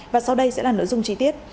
và sau đây sẽ là nội dung trí tiết